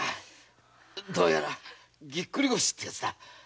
どうやらギックリ腰ってやつだ